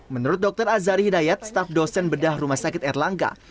menurut dokter azari hidayat staf dosen bedah rumah sakit erlangga